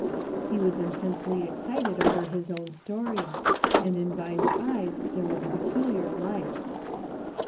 " He was intensely excited over his own story. And in Vine's eyes there was a peculiar light.